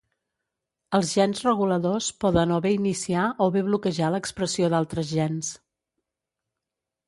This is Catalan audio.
Els gens reguladors poden o bé iniciar o bé bloquejar l'expressió d'altres gens.